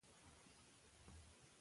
ښې اړیکې خوشحاله ساتي.